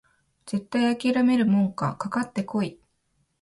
絶対あきらめるもんかかかってこい！